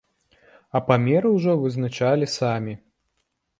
А памеры ўжо вызначалі самі.